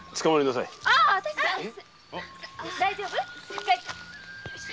さ大丈夫？